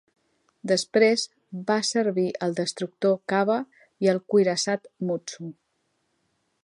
Després va servir al destructor "Kaba" i al cuirassat "Mutsu".